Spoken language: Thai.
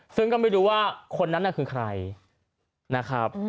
ซึ่งก็ไม่รู้ว่าคนนั้นน่ะคือใครนะครับ